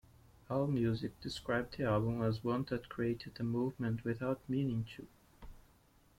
Allmusic described the album as one that created a movement without meaning to.